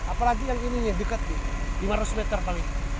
apalagi yang ini dekat nih lima ratus meter paling